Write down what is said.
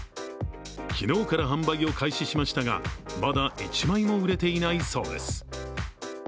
昨日から販売を開始しましたがまだ１枚も売れていないそうです。